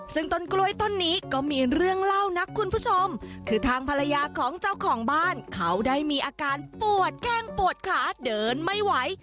ซึ่งต้นกล้วยต้นนี้ก็มีเรื่องเล่านะคุณผู้ชมคือทางภรรยาของเจ้าของบ้านเขาได้มีอาการปวดแก้งปวดขาเดินไม่ไหว